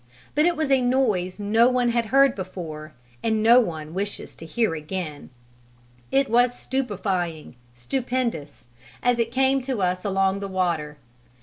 But it was a noise no one had heard before, and no one wishes to hear again: it was stupefying, stupendous, as it came to us along the water.